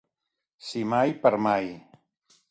Si mai per mai.